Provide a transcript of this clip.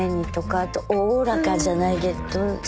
あとおおらかじゃないけど。